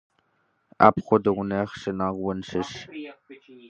Апхуэдэу нэхъ шынагъуэншэщ.